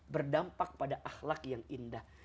berdampak pada ahlak yang indah